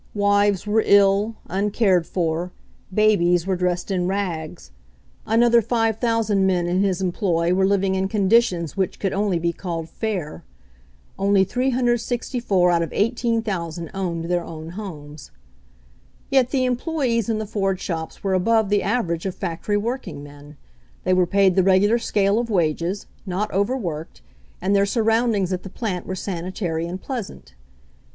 Wives were ill, uncared for; babies were dressed in rags. Another 5,000 men in his employ were living in conditions which could only be called "fair." Only 364 out of 18,000 owned their own homes. Yet the employees in the Ford shops were above the average of factory workingmen. They were paid the regular scale of wages, not overworked, and their surroundings at the plant were sanitary and pleasant.